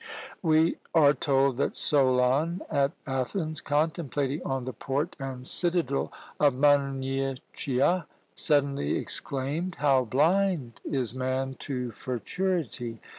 We are told that Solon at Athens, contemplating on the port and citadel of Munychia, suddenly exclaimed, "How blind is man to futurity!